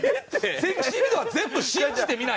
セクシービデオは全部信じて見ないと。